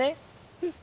うん。